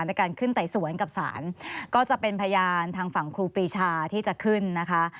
ในการขึ้นไต่สวนกับศาลก็จะเป็นพยานทางฝั่งครูปีชาที่จะขึ้นนะคะ